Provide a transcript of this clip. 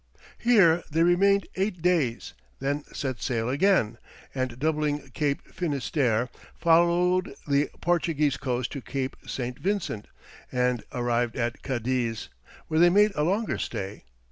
Here they remained eight days, then set sail again, and doubling Cape Finisterre, followed the Portuguese coast to Cape St. Vincent, and arrived at Cadiz, where they made a longer stay.